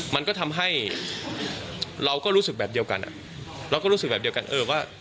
มันก็ทำให้เราก็รู้สึกแบบเดียวกันเราก็รู้สึกแบบเดียวกันเออว่า